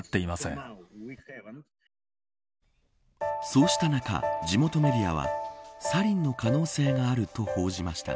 そうした中、地元メディアはサリンの可能性があると報じました。